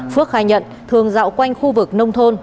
phước khai nhận thường dạo quanh khu vực nông thôn